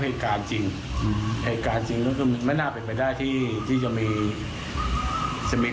เหตุการณ์จริงหรือคือมันน่าเป็นไปได้ที่ที่จะมีจะมี